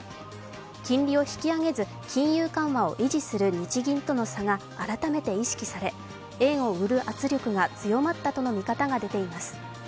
金利を引き上げず、金融緩和を維持する日銀との差が改めて意識され円を売る圧力が強まったとの見方が出ています。